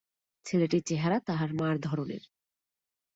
ছেলেটির চেহারা তাহার মার ধরনের।